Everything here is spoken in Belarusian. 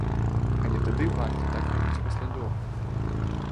Але тады варта так рабіць паслядоўна.